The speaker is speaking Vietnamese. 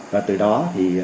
và từ đó thì